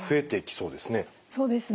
そうですね。